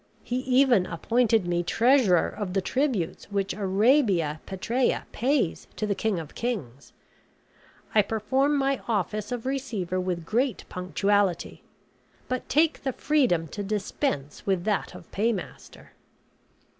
He even appointed me treasurer of the tributes which Arabia Petræa pays to the king of kings. I perform my office of receiver with great punctuality; but take the freedom to dispense with that of paymaster.